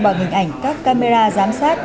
bằng hình ảnh các camera giám sát